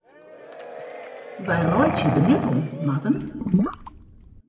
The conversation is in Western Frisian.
Wy laitsje der net om, Marten.